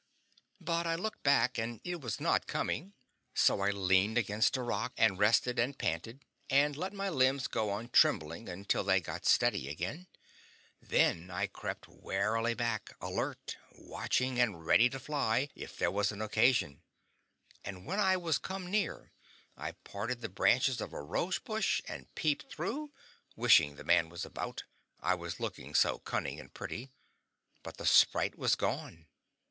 But I looked back, and it was not coming; so I leaned against a rock and rested and panted, and let my limbs go on trembling until they got steady again; then I crept warily back, alert, watching, and ready to fly if there was occasion; and when I was come near, I parted the branches of a rose bush and peeped through wishing the man was about, I was looking so cunning and pretty but the sprite was gone.